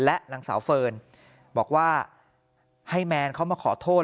และนางสาวเฟิร์นบอกว่าให้แมนเขามาขอโทษ